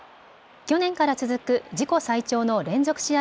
去年から続く自己最長の連続試合